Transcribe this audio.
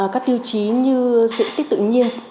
các tiêu chí như diện tích tự nhiên